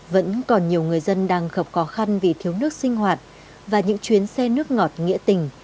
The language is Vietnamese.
vẫn còn nhiều người dân đang gặp khó khăn vì thiếu nước sinh hoạt và những chuyến xe nước ngọt nghĩa tình